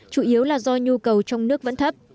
chủ yếu là do nhu cầu trong nước vẫn thấp